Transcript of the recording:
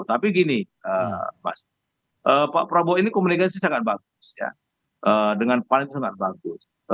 tapi gini mas pak prabowo ini komunikasi sangat bagus ya dengan pan itu sangat bagus